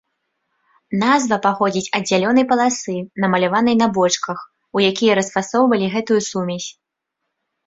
Назва паходзіць ад зялёнай паласы, намаляванай на бочках, у якія расфасоўвалі гэтую сумесь.